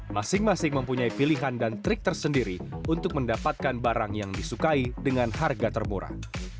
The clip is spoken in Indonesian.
masing masing mempunyai pilihan dan trik tersendiri untuk mendapatkan barang yang disukai dengan harga termurah